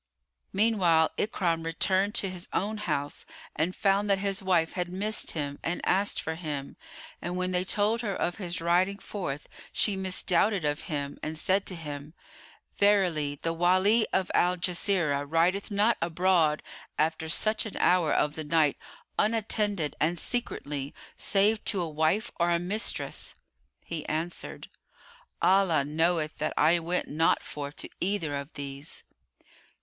Meanwhile Ikrimah returned to his own house and found that his wife had missed him and asked for him, and when they told her of his riding forth, she misdoubted of him, and said to him, "Verily the Wali of Al Jazirah rideth not abroad after such an hour of the night, unattended and secretly, save to a wife or a mistress." He answered, "Allah knoweth that I went not forth to either of these."